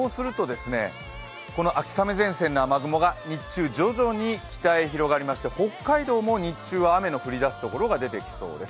この秋雨前線の雨雲が日中、徐々に北へ広がりまして北海道も日中は雨の降り出すところが出てきそうです。